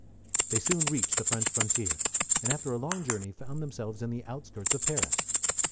They soon reached the French frontier, and after a long journey found themselves in the outskirts of Paris.